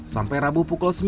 sampai rabu pukul